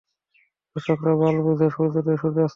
দর্শকরা বাল বুঝে, সূর্যদয় ও সূর্যাস্তের?